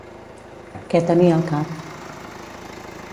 Què tenia al cap?